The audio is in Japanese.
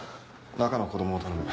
中の子供を頼む。